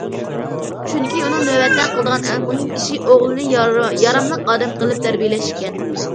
چۈنكى ئۇنىڭ نۆۋەتتە قىلىدىغان ئەڭ مۇھىم ئىشى ئوغلىنى ياراملىق ئادەم قىلىپ تەربىيەلەش ئىكەن.